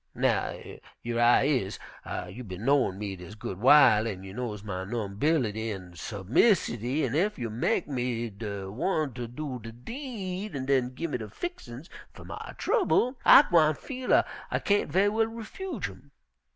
Now yer I is, you bin knowin' me dis good w'ile, an' you knows my numbility an' submissity, an' ef you mek me de one ter do de deed an' den give me de fixin's fer my trouble, I gwine feel dat I kain't ve'y well refuge 'em.'